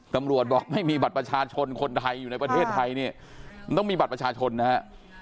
ตำรวจบอกไม่มีบัตรประชาชนคนไทยอยู่ในประเทศไทยเนี่ยต้องมีบัตรประชาชนนะฮะ